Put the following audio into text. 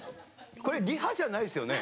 これリハじゃないですよね。